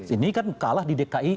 ini kan kalah di dki